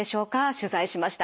取材しました。